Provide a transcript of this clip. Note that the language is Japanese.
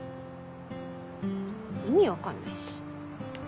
意味分かんないし。